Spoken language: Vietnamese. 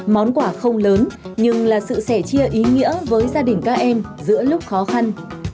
món quà không lớn nhưng là sự sẻ chia ý nghĩa với gia đình các em giữa lúc khó khăn